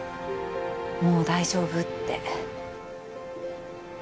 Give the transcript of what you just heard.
もう大丈夫って。